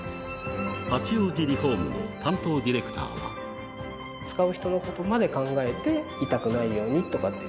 八王子リホームの担当ディレ使う人のことまで考えて、痛くないようにとかっていう。